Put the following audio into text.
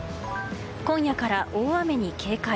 今夜から大雨に警戒。